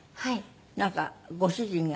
なんかご主人が？